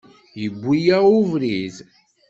Iwwi-yaɣ uberriḍ.